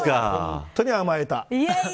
本当に甘えた。